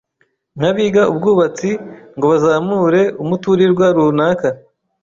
nk'abiga ubwubatsi ngo bazamure umuturirwa runaka